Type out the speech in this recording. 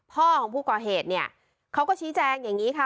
พ่อของผู้ก่อเหตุเนี่ยเขาก็ชี้แจงอย่างนี้ค่ะ